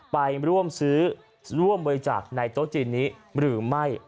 ไปร่วมซื้อร่วมบริจาคในโต๊ะจีนนี้หรือไม่